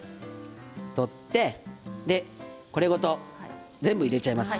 これごと全部入れちゃいます。